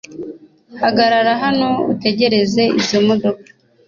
Hagarara hano utegereze izo modoka